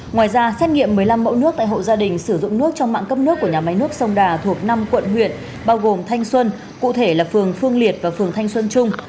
ngoài ra xét nghiệm một mươi năm mẫu nước tại hộ gia đình sử dụng nước trong mạng cấp nước của nhà máy nước sông đà thuộc năm quận huyện bao gồm thanh xuân cụ thể là phường phương liệt và phường thanh xuân trung